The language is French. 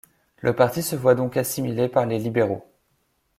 Le parti se voit donc assimilé par les Libéraux.